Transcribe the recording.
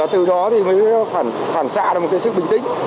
từ đó mới phản xạ được một sự bình tĩnh